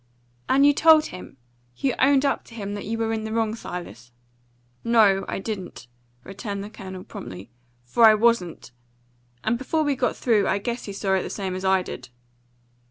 "And you told him you owned up to him that you were in the wrong, Silas?" "No, I didn't," returned the Colonel promptly; "for I wasn't. And before we got through, I guess he saw it the same as I did."